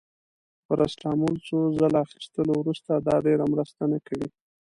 د پاراسټامول څو ځله اخیستلو وروسته، دا ډیره مرسته نه کوي.